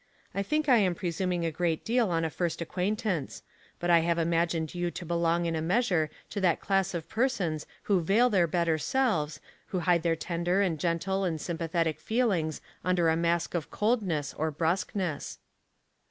*' I think I am presuming a great deal on a first acquaint ance ; but I have imagined you to belong in a measure to that class of persons who vail their better selves, who hide their tender and gentle and sympathetic feelings under a mask of cold ness or brusqeness."